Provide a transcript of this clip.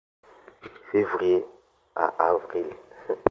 Février à avril.